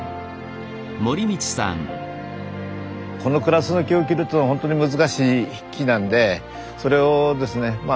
このクラスの木を切るというのはほんとに難しい木なんでそれをですねまあ